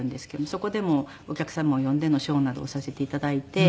そこでもお客様を呼んでのショーなどをさせて頂いて。